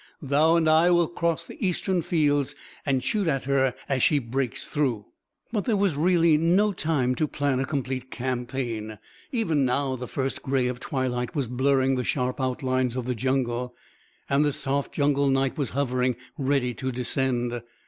Thou and I will cross the eastern fields and shoot at her as she breaks through." But there was really no time to plan a complete campaign. Even now, the first gray of twilight was blurring the sharp outlines of the jungle, and the soft jungle night was hovering, ready to descend.